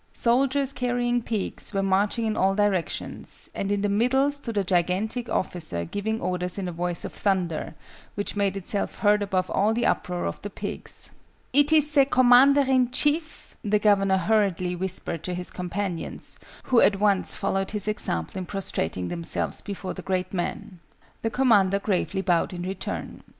Soldiers, carrying pigs, were marching in all directions: and in the middle stood a gigantic officer giving orders in a voice of thunder, which made itself heard above all the uproar of the pigs. "It is the Commander in Chief!" the Governor hurriedly whispered to his companions, who at once followed his example in prostrating themselves before the great man. The Commander gravely bowed in return.